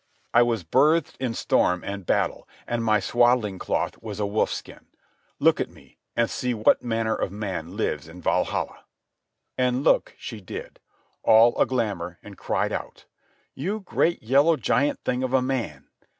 I was birthed in storm, after battle, and my swaddling cloth was a wolfskin. Look at me and see what manner of man lives in Valhalla." And look she did, all a glamour, and cried out: "You great, yellow giant thing of a man!"